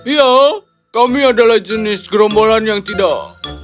ya kami adalah jenis gerombolan yang tidak